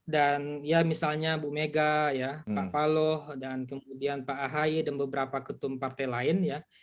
dan ya misalnya bu mega pak paloh dan kemudian pak ahaye dan beberapa ketum partai lain ya